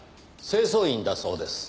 清掃員だそうです。